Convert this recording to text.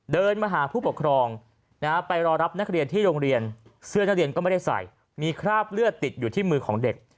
เดินมาหาผู้ปกครองไปรอรับนักเรียนที่โรงเรียนเสื้อนักเรียนก็ไม่ได้ใส่มีคราบเลือดติดอยู่ที่มือของเด็ก